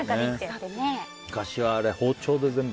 昔は包丁で全部。